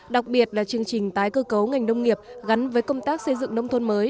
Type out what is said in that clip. đặc biệt là chương trình tái cơ cấu ngành nông nghiệp gắn với công tác xây dựng nông thôn mới